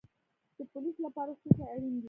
د پولیس لپاره څه شی اړین دی؟